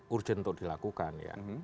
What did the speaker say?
urgent untuk dilakukan